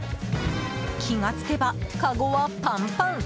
気が付けば、かごはパンパン。